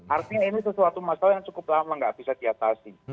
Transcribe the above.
artinya ini sesuatu masalah yang cukup lama nggak bisa diatasi